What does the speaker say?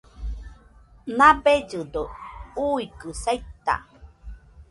Nabellɨdo uikɨ saita